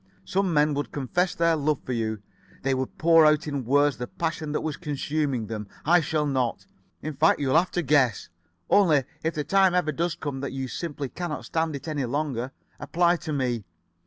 Some men would confess their love for you. They would pour out in words the passion that was consuming them. I shall not. In fact, you'll have to guess. Only, if the time ever does come that you simply cannot stand it any longer, apply to me.